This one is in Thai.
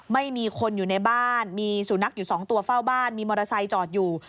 ไม่มีคนอยู่ในบ้านมีสุนัขอยู่๒ตัวเฝ้าบ้านมีมอเตอร์ไซค์จอดอยู่